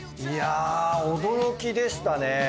いや驚きでしたね。